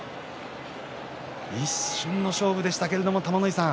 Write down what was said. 一瞬の勝負でしたけれども玉ノ井さん。